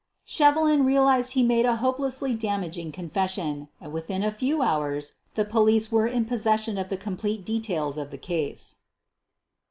Shevelin realized he made a hopelessly damaging confession and within a few hours the police were in possession of the complete details of the case.